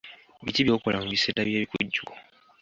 Biki by'okola mu biseera by'ebikujjuko?